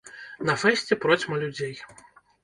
На фэсце процьма людзей.